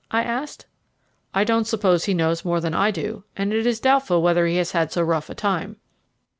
I asked. "I don't suppose he knows more than I do, and it is doubtful whether he has had so rough a time."